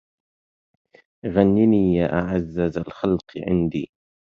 غنني يا أعز ذا الخلق عندي